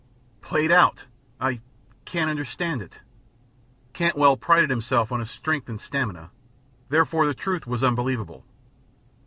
"Played out! I can't understand it." Cantwell prided himself on his strength and stamina, therefore the truth was unbelievable.